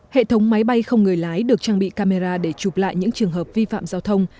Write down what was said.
hệ thống máy bay không người lái được trang bị camera để chụp lại những trường hợp vi phạm giao thông